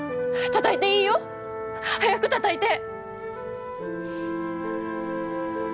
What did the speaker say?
たたいていいよ！早くたたいて！